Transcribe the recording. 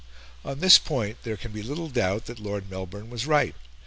On this point there can be little doubt that Lord Melbourne was right.